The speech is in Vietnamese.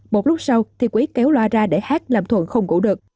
một lúc sau thì quý kéo loa ra để hát làm thuận không ngủ được